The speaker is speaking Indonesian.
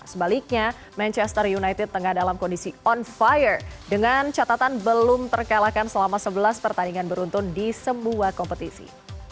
sebaliknya manchester united tengah dalam kondisi on fire dengan catatan belum terkalahkan selama sebelas pertandingan beruntun di semua kompetisi